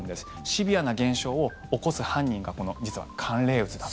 シビアな現象を起こす犯人が実は寒冷渦だった。